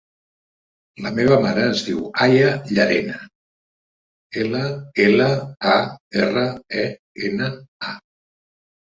La meva mare es diu Aya Llarena: ela, ela, a, erra, e, ena, a.